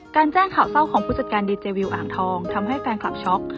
แจ้งข่าวเศร้าของผู้จัดการดีเจวิวอ่างทองทำให้แฟนคลับช็อก